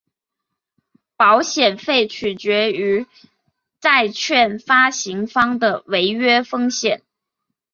保险费决定于债券发行方的违约风险。